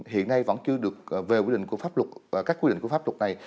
hiện nay vẫn chưa được về quy định của pháp luật và các quy định của pháp luật này